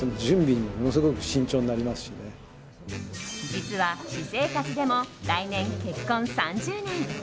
実は私生活でも来年結婚３０年。